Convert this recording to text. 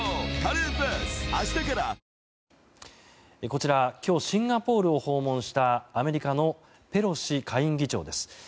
こちら今日シンガポールを訪問したアメリカのペロシ下院議長です。